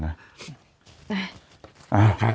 เนาะ